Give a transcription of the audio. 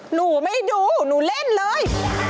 หนูไม่ดูหนูเล่นเลย